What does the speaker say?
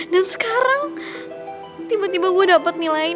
dan sekarang tiba tiba gue dapet nilai